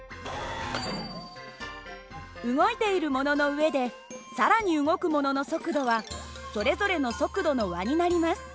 動いているものの上で更に動くものの速度はそれぞれの速度の和になります。